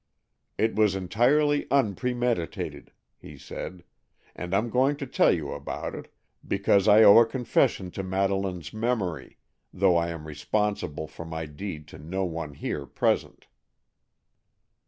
"It was entirely unpremeditated," he said, "and I'm going to tell you about it, because I owe a confession to Madeleine's memory, though I am responsible for my deed to no one here present."